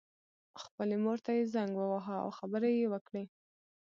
خپلې مور ته یې زنګ وواهه او خبرې یې وکړې